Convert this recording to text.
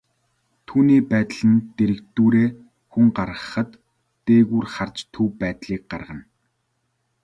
Түүний байдал нь дэргэдүүрээ хүн гарахад, дээгүүр харж төв байдлыг гаргана.